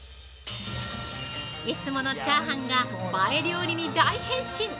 いつものチャーハンが映え料理に大変身。